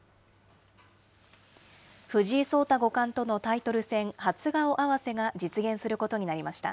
藤井聡太五冠とのタイトル戦、初顔合わせが実現することになりました。